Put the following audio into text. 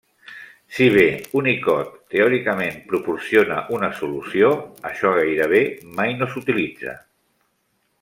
Si bé Unicode, teòricament, proporciona una solució, això gairebé mai no s'utilitza.